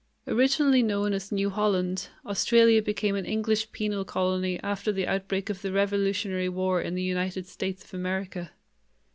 Originally known as New Holland, Australia became an English penal colony after the outbreak of the Revolutionary War in the United States of America.